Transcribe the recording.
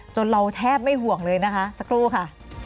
เราแทบไม่ห่วงเลยนะคะสักครู่ค่ะ